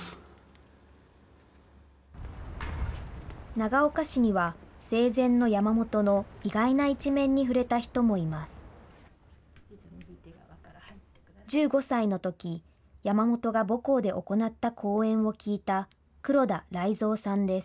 長岡市には、生前の山本の意外な一面に触れた人もいます。